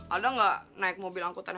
alda gak naik mobil angkutan